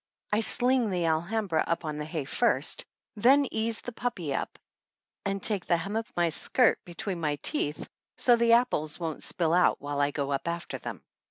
I sling The Alhambra up on the hay first, then ease the puppy up and take the hem of my skirt between my teeth so the apples won't spill out while I go up after them.